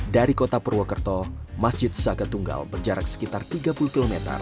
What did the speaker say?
dari kota purwokerto masjid saka tunggal berjarak sekitar tiga puluh km